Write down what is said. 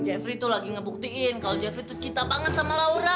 jafri tuh lagi ngebuktiin kalau jafri tuh cinta banget sama laura